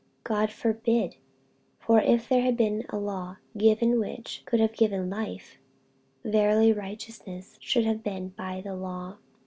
God forbid: for if there had been a law given which could have given life, verily righteousness should have been by the law.